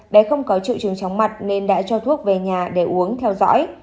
bé không có trự trường chóng mặt nên đã cho thuốc về nhà để uống theo dõi